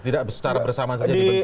tidak secara bersama saja dibentuk